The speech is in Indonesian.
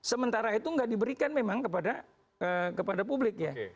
yang sementara itu tidak diberikan memang kepada publik ya